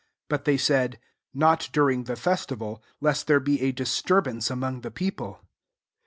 2 But they said, " Not during the festival ; lest there be a^ disturbance among the people.